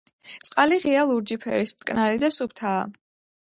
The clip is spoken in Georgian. წყალი ღია ლურჯი ფერის, მტკნარი და სუფთაა.